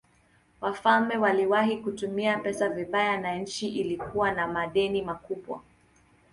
Wafalme waliwahi kutumia pesa vibaya na nchi ilikuwa na madeni makubwa.